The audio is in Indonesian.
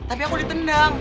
tapi aku ditendang